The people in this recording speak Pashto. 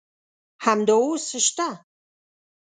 همدا اوس شته.